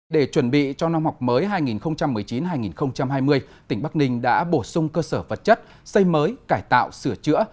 để chuẩn bị cho năm học mới hai nghìn một mươi chín hai nghìn hai mươi tỉnh bắc ninh đã bổ sung cơ sở vật chất xây mới cải tạo sửa chữa